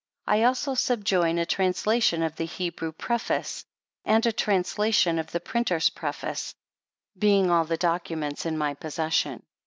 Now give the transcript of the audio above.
I also subjoin a translation of the Hebrew preface and a translation of the printer's pre face, being all the documents in my possession.